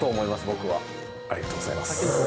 僕はありがとうございます